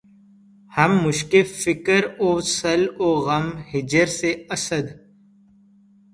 ہم مشقِ فکر وصل و غم ہجر سے‘ اسد!